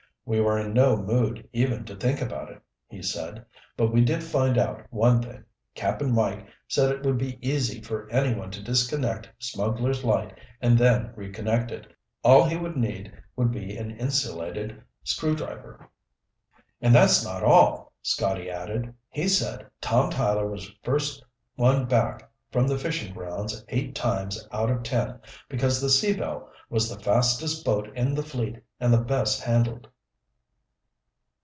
"We were in no mood even to think about it," he said. "But we did find out one thing. Cap'n Mike said it would be easy for anyone to disconnect Smugglers' Light and then reconnect it. All he would need would be an insulated screw driver." "And that's not all," Scotty added. "He said Tom Tyler was first one back from the fishing grounds eight times out of ten because the Sea Belle was the fastest boat in the fleet and the best handled."